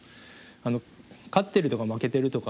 勝ってるとか負けてるとか